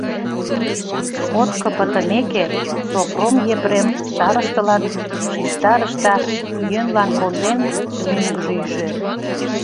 Сходка пытымеке, Сопром Епрем старостылан шижтарыш да, йӧнлан конден, мӧҥгыжӧ ӱжӧ.